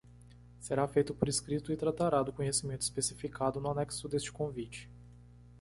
Será feito por escrito e tratará do conhecimento especificado no anexo deste convite.